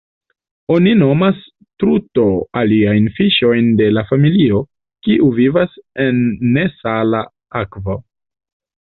Oni nomas truto aliajn fiŝojn de la familio, kiu vivas en nesala akvo.